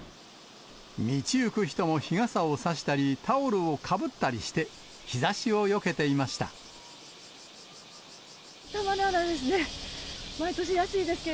道行く人も日傘を差したり、タオルをかぶったりして、日ざしたまらないですね。